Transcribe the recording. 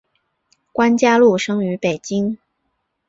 关嘉禄生于北京。